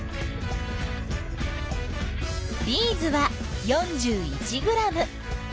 ビーズは４１ｇ。